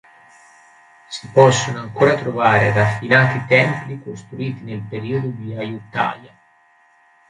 Si possono ancora trovare raffinati templi costruiti nel periodo di Ayutthaya.